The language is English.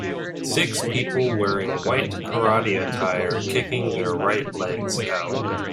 Six people wearing white karate attire kicking their right legs out.